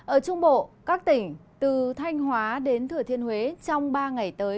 ở trung bộ các tỉnh từ thanh hóa đến thừa thiên huế trong ba ngày tới